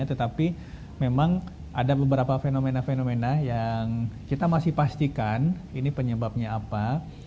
tetapi memang ada beberapa fenomena fenomena yang kita masih pastikan ini penyebabnya apa